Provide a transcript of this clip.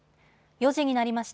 ４時になりました。